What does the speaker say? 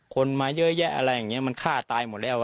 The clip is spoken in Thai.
คนมาเหนื่อยแยะแบบนี้มันก็ฆ่าตายหมดแล้ว